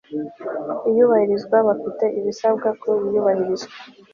iyubahirizwa bafite ibisabwa ku iyubahirizwa